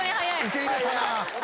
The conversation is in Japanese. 受け入れたなぁ。